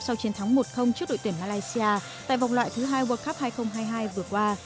sau chiến thắng một trước đội tuyển malaysia tại vòng loại thứ hai world cup hai nghìn hai mươi hai vừa qua